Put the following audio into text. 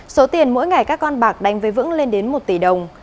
số tiền mỗi ngày các con bạc đánh với vững lên đến một tỷ đồng